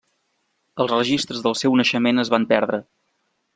Els registres del seu naixement es van perdre.